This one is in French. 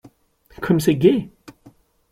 Comme c'est gai !